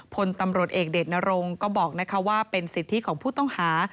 พลตำรวจเอกเดชนรงก็บอกว่าเป็นสิทธิของผู้ต้องหา